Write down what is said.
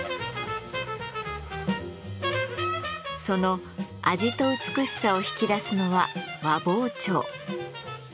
その味と美しさを引き出すのは和包丁。